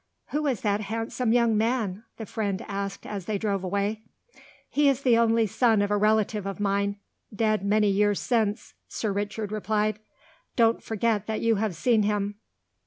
"Who is that handsome young man?" the friend asked as they drove away. "He is the only son of a relative of mine, dead many years since," Sir Richard replied. "Don't forget that you have seen him."